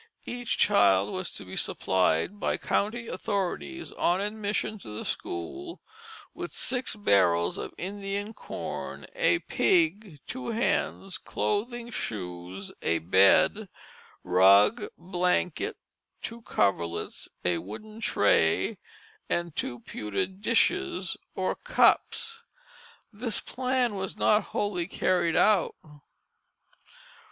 Each child was to be supplied by the county authorities on admission to the school with six barrels of Indian corn, a pig, two hens, clothing, shoes, a bed, rug, blanket, two coverlets, a wooden tray, and two pewter dishes or cups. This plan was not wholly carried out.